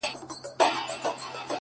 • ما ويل ددې به هېرول نه وي زده؛